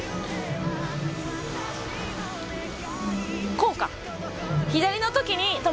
こうか。